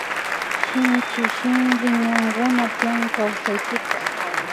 Shinchi sinchi ñankuna tiyan kawsaypika